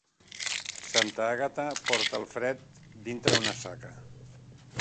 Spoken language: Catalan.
Santa Àgata porta el fred dintre una saca.